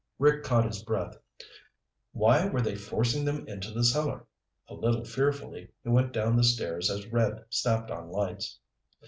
Rick caught his breath. Why were they forcing them into the cellar? A little fearfully, he went down the stairs as Red snapped on lights.